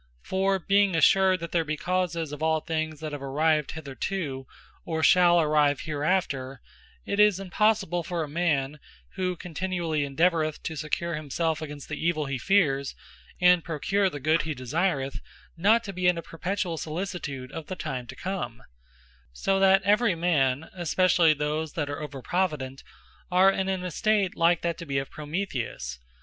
For being assured that there be causes of all things that have arrived hitherto, or shall arrive hereafter; it is impossible for a man, who continually endeavoureth to secure himselfe against the evill he feares, and procure the good he desireth, not to be in a perpetuall solicitude of the time to come; So that every man, especially those that are over provident, are in an estate like to that of Prometheus.